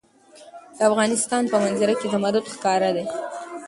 د افغانستان په منظره کې زمرد ښکاره ده.